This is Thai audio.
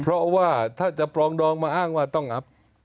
เพราะว่าถ้าจะปรองดองมาอ้างว่าต้องอัพ